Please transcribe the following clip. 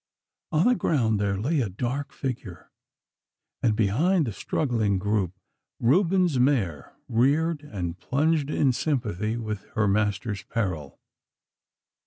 On the ground there lay a dark figure, and behind the struggling group Reuben's mare reared and plunged in sympathy with her master's peril.